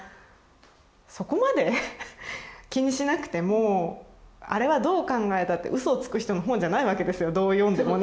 そこまで気にしなくてもあれはどう考えたって嘘をつく人の本じゃないわけですよどう読んでもね。